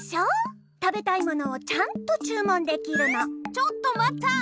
ちょっとまった！